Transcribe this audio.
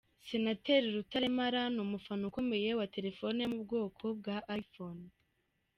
Senateri Rutaremara ni umufana ukomeye wa telefone yo mu bwoko bwa iPhone.